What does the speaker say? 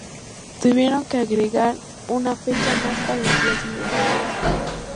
Tuvieron que agregar una fecha más para el día siguiente.